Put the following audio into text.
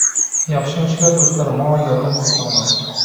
ياخشىمۇ سىلەر دوستلار؟ ماڭا ياردەم قىلساڭلار؟ !